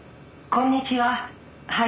「こんにちは。